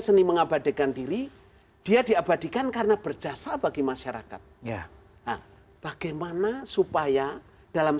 seni mengabadikan diri dia diabadikan karena berjasa bagi masyarakat ya bagaimana supaya dalam